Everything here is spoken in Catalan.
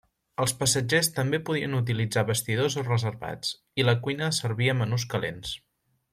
Els passatgers també podien utilitzar vestidors o reservats i la cuina servia menús calents.